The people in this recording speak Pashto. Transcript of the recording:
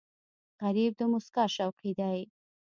غریب د موسکا شوقي دی